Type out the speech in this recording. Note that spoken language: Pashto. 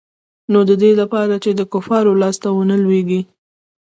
نو د دې د پاره چې د کفارو لاس ته ونه لوېږي.